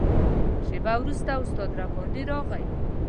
شېبه وروسته استاد رباني راغی.